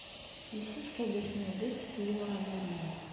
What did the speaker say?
Yessefk ad as-nales i uṛabul-nni.